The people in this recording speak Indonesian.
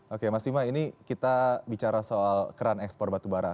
oke mas bima ini kita bicara soal keran ekspor batubara